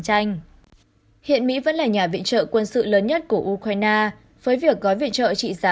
tranh hiện mỹ vẫn là nhà viện trợ quân sự lớn nhất của ukraine với việc gói viện trợ trị giá